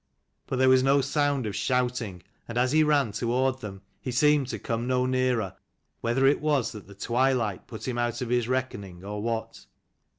But there was no sound of shouting: and as he ran toward them he seemed to come no nearer, whether it was that the twilight put him out of his reckoning, or what.